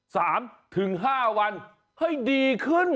คนที่เขาว่าป่วย๓๕วันให้ดีขึ้น